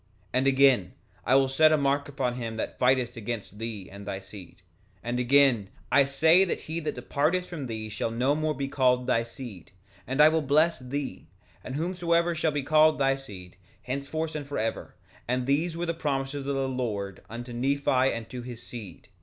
3:16 And again: I will set a mark upon him that fighteth against thee and thy seed. 3:17 And again, I say he that departeth from thee shall no more be called thy seed; and I will bless thee, and whomsoever shall be called thy seed, henceforth and forever; and these were the promises of the Lord unto Nephi and to his seed.